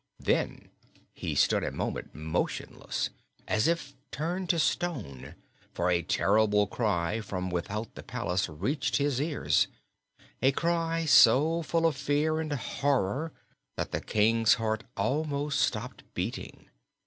Then he stood a moment motionless, as if turned to stone, for a terrible cry from without the palace reached his ears a cry so full of fear and horror that the King's heart almost stopped beating.